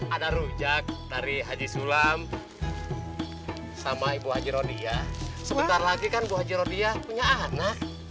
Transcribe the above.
ada rujak dari haji sulam sama ibu haji rodia sebentar lagi kan bu haji rodiah punya anak